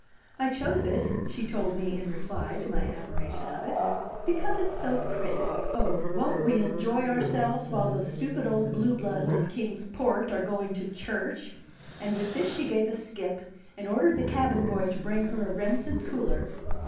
"I chose it," she told me in reply to my admiration of it, "because it's so pretty. Oh, won't we enjoy ourselves while those stupid old blue bloods in Kings Port are going to church!" And with this she gave a skip, and ordered the cabin boy to bring her a Remsen cooler.